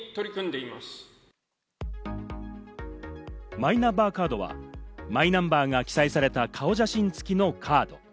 マイナンバーカードはマイナンバーが記載された顔写真付きのカード。